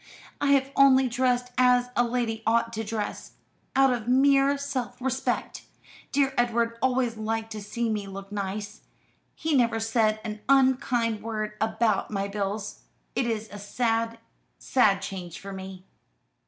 I have only dressed as a lady ought to dress out of mere self respect. Dear Edward always liked to see me look nice. He never said an unkind word about my bills. It is a sad sad change for me."